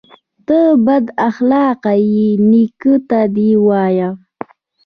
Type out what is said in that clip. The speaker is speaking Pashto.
_ته بد اخلاقه يې، نيکه ته دې وايم.